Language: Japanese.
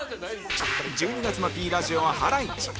１２月の Ｐ ラジオはハライチ